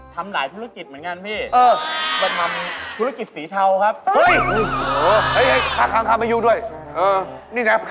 ทำหลายธุรกิจเหมือนกันพี่อืม